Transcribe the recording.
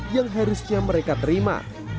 yang harusnya mereka terima